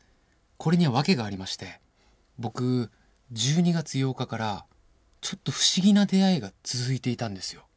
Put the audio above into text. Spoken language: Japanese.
これには訳がありまして僕１２月８日からちょっと不思議な出会いが続いていたんですよ。